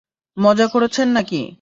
মজা করছেন নাকি?